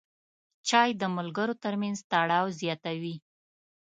چای د ملګرو ترمنځ تړاو زیاتوي.